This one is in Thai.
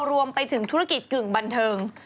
รวมไปถึงธุรกิจกึ่งบันเทิง